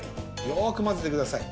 よくまぜてください。